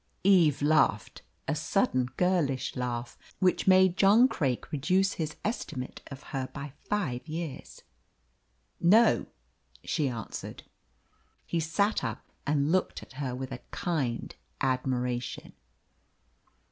Eve laughed, a sudden girlish laugh, which made John Craik reduce his estimate of her age by five years. "No," she answered. He sat up and looked at her with a kind admiration.